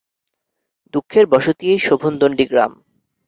দুঃখের বসতি এই শোভনদন্ডী গ্রাম।